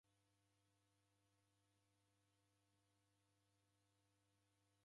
Ndekune kilambo chipoiye sa kupoilwa